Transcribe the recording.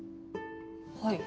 はい。